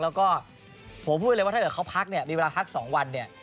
แล้วก็ผมพูดเลยว่าถ้าเกิดเขาพักเนี่ยมีเวลาพัก๒วันเนี่ย